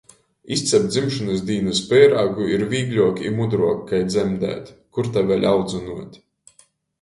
Izcept dzimšonys dīnys peirāgu ir vīgļuok i mudruok kai dzemdēt, kur ta vēļ audzynuot.